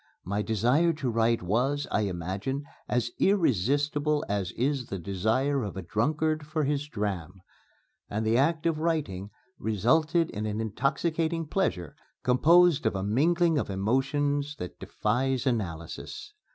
My desire to write was, I imagine, as irresistible as is the desire of a drunkard for his dram. And the act of writing resulted in an intoxicating pleasure composed of a mingling of emotions that defies analysis.